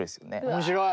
面白い！